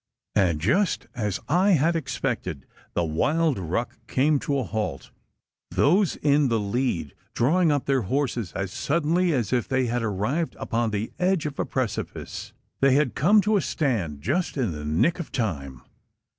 And just as I had expected, the wild ruck came to a halt those in the lead drawing up their horses, as suddenly as if they had arrived upon the edge of a precipice! They had come to a stand just in the nick of time.